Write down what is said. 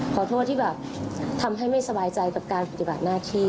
ขอโทษที่แบบทำให้ไม่สบายใจกับการปฏิบัติหน้าที่